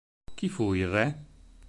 Chi fu il re?